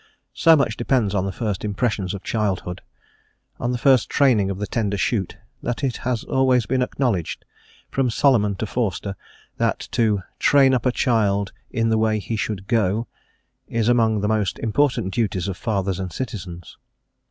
So much depends on the first impressions of childhood, on the first training of the tender shoot, that it has always been acknowledged, from Solomon to Forster, that to "train up a child in the way he should go" is among the most important duties of fathers and citizens.